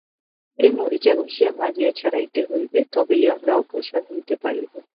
এই মরিচা ঘষিয়া মাজিয়া ছাড়াইতে হইবে, তবেই আমরা অগ্রসর হইতে পারিব।